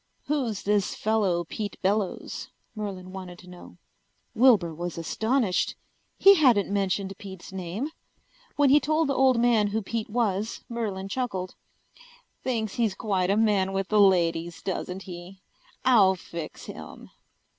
"Who's this fellow Pete Bellows?" Merlin wanted to know. Wilbur was astonished. He hadn't mentioned Pete's name. When he told the old man who Pete was Merlin chuckled. "Thinks he's quite a man with the ladies, doesn't he? I'll fix him."